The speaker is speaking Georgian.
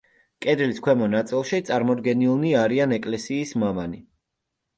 კედლის ქვემო ნაწილში წარმოდგენილნი არიან ეკლესიის მამანი.